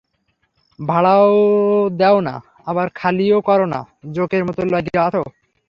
ভাড়াও দেও না, আবার খালি ও করো না, জোঁকের মত লাইজ্ঞা আছো।